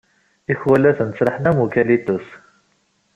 Ikwalaten ttraḥen am ukalitus.